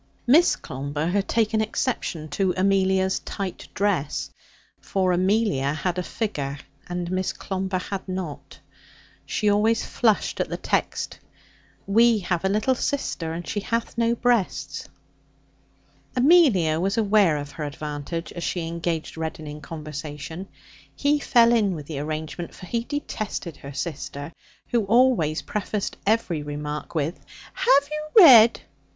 Miss Clomber had taken exception to Amelia's tight dress. For Amelia had a figure, and Miss Clomber had not. She always flushed at the text, 'We have a little sister, and she hath no breasts.' Amelia was aware of her advantage as she engaged Reddin in conversation. He fell in with the arrangement, for he detested her sister, who always prefaced every remark with 'Have you read